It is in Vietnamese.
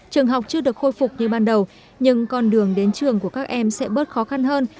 trường học chưa được khôi phục như ban đầu nhưng con đường đến trường của các em sẽ bớt khó khăn hơn